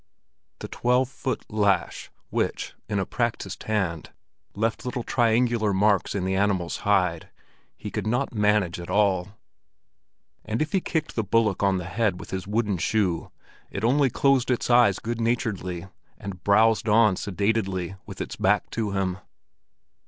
The twelve foot lash, which, in a practised hand, left little triangular marks in the animal's hide, he could not manage at all; and if he kicked the bullock on the head with his wooden shoe, it only closed its eyes good naturedly, and browsed on sedately with its back to him.